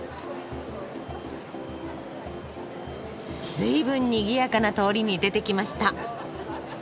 ずいぶんにぎやかな通りに出てきました。